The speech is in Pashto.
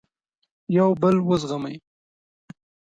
یو بل وزغمئ.